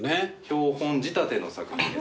標本仕立ての作品ですね。